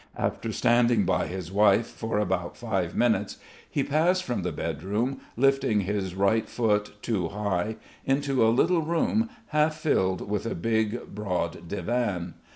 After standing by his wife for about five minutes, he passed from the bed room, lifting his right foot too high, into a little room half filled with a big broad divan.